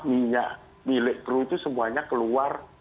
minyak milik kru itu semuanya keluar